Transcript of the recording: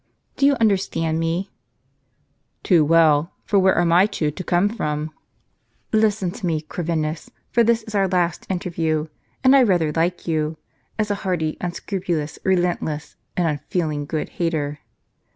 Do you understand me ?"" Too well, for where are my two to come from ?" "Listen to me, Corvinus, for this is our last interview; and I rather like you, as a hearty, unscrupulous, relentless, and unfeeling good hater."